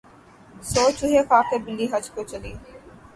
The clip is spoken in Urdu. سو چوہے کھا کے بلی حج کو چلی